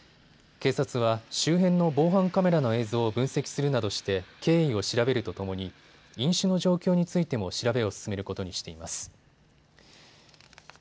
警察は周辺の防犯カメラの映像を分析するなどして経緯を調べるとともに飲酒の状況についても調べを進めることにしています。